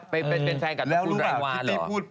ไปเป็นแฟนกับคุณไรวาเหรอ